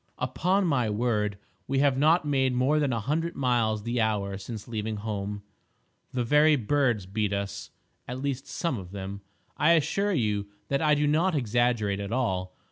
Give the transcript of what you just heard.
Upon my word we have not made more than a hundred miles the hour since leaving home! The very birds beat us—at least some of them. I assure you that I do not exaggerate at all.